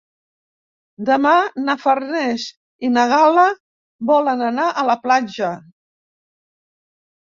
Demà na Farners i na Gal·la volen anar a la platja.